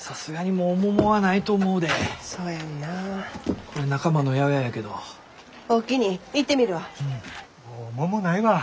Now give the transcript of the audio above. もう桃ないわ。